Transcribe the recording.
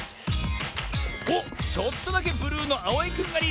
おっちょっとだけブルーのあおいくんがリード。